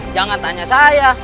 jangan tanya saya